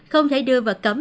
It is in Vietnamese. không thể đưa vật cấm